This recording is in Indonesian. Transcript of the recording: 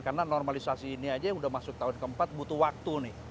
karena normalisasi ini aja yang sudah masuk tahun ke empat butuh waktu nih